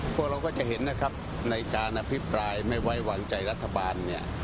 พวกเราก็จะเห็นในการอภิปรายไม่ไววังใจรัฐบาล